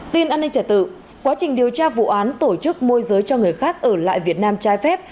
tin an ninh trả tự quá trình điều tra vụ án tổ chức môi giới cho người khác ở lại việt nam trái phép